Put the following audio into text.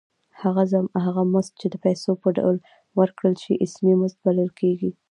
هغه مزد چې د پیسو په ډول ورکړل شي اسمي مزد بلل کېږي